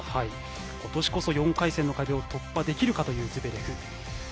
今年こそ４回戦の壁を突破できるかというズベレフ。